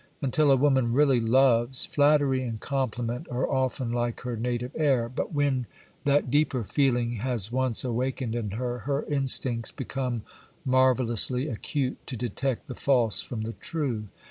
Until a woman really loves, flattery and compliment are often like her native air; but when that deeper feeling has once awakened in her, her instincts become marvellously acute to detect the false from the true.